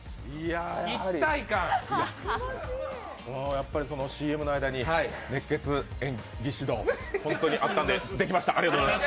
やっぱりＣＭの間に熱血演技指導が本当にあったのでできました。